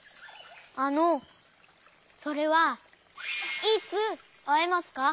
あのそれはいつあえますか？